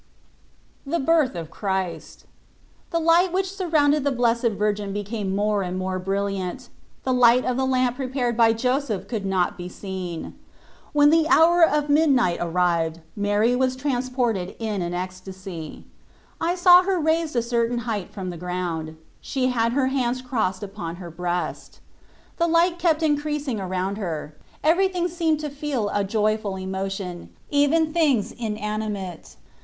THE BIRTH OF CHRIST. THE light which surrounded the Blessed Virgin became more and more brilliant : the light of the lamp prepared by Joseph could not be seen. When the hour of midnight arrived Mary was trans ported in an ecstasy. I saw her raised a certain height from the ground ; she had her hands crossed upon her breast. The light kept increasing around 8 4 TOe 1Ratix>ft of her ; everything seemed to feel a joyful emotion, even things inanimate.